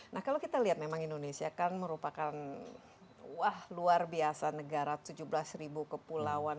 nah kalau kita lihat memang indonesia kan merupakan wah luar biasa negara tujuh belas ribu kepulauan